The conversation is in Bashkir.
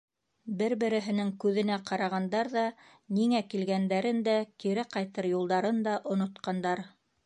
Бер-береһенең күҙенә ҡарағандар ҙа ниңә килгәндәрен дә, кире ҡайтыр юлдарын да онотҡандар.